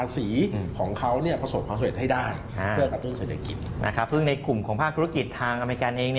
ซึ่งในกลุ่มของภาคธุรกิจทางอเมริกันเอง